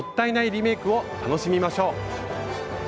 リメイクを楽しみましょう！